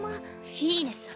フィーネさん。